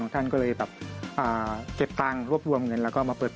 น่ารักจังเลย